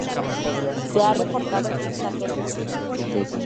Se ha reportado que es católico.